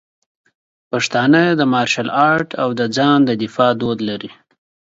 پښتانه د مارشل آرټ او د ځان د دفاع دود لري.